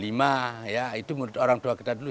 ya itu menurut orang tua kita dulu